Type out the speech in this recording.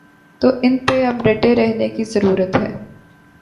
تو ان پہ اب ڈٹے رہنے کی ضرورت ہے۔